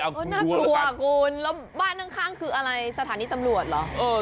น่ากลัวคุณแล้วบ้านข้างคืออะไรสถานีตำรวจเหรอ